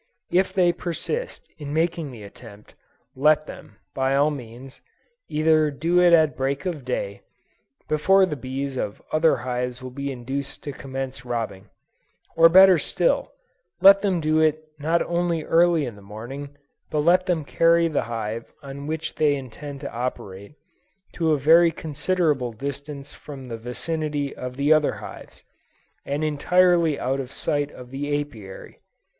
If they persist in making the attempt, let them, by all means, either do it at break of day, before the bees of other hives will be induced to commence robbing; or better still, let them do it not only early in the morning, but let them carry the hive on which they intend to operate, to a very considerable distance from the vicinity of the other hives, and entirely out of sight of the Apiary.